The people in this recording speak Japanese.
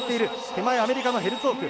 手前、アメリカのヘルツォーク。